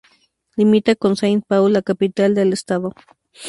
Limita con Saint Paul, la capital del estado.